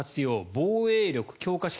防衛力強化資金